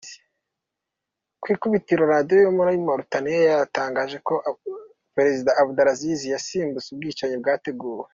Ku ikubitiro Radio yo muri Mauritania yari yatangaje ko Perezida Abdelaziz yasimbutse ubwicanyi bwateguwe.